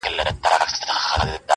ایوبه توره دي د چا تر لاسه ورسېده!